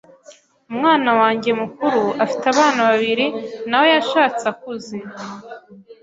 umwana wanjye mukuru afite abana babiri nawe yashatse akuze